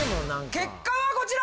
結果はこちら。